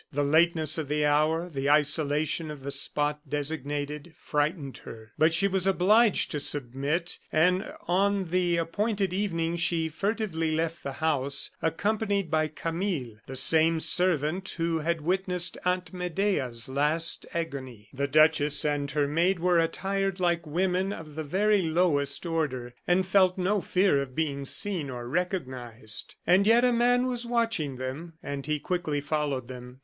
The lateness of the hour, the isolation of the spot designated, frightened her. But she was obliged to submit, and on the appointed evening she furtively left the house, accompanied by Camille, the same servant who had witnessed Aunt Medea's last agony. The duchess and her maid were attired like women of the very lowest order, and felt no fear of being seen or recognized. And yet a man was watching them, and he quickly followed them.